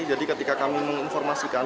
jadi ketika kami menginformasikan